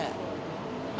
あ